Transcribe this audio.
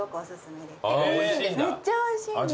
めっちゃおいしいんです。